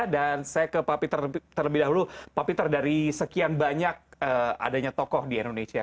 dan saya ke pak peter terlebih dahulu pak peter dari sekian banyak adanya tokoh di indonesia